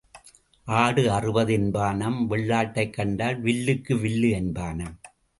ஆடு அறுபது என்பானாம் வெள்ளாட்டைக் கண்டால் விலுக்கு விலுக்கு என்பானாம்.